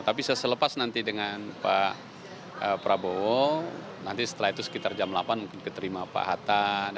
tapi selepas nanti dengan pak prabowo nanti setelah itu sekitar jam delapan mungkin keterima pak hatta